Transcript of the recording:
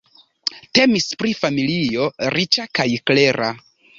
Temis pri familio riĉa kaj klera.